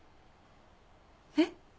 えっ？